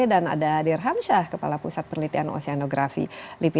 dan ada adir hamsyah kepala pusat penelitian oseanografi lipi